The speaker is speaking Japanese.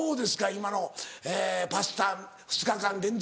今のパスタ２日間連続。